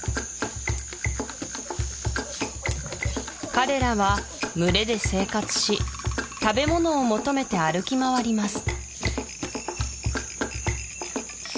彼らは群れで生活し食べ物を求めて歩き回ります